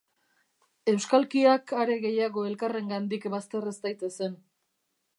Euskalkiak are gehiago elkarrengandik bazter ez daitezen.